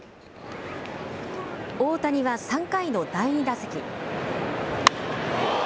大谷は３回の第２打席。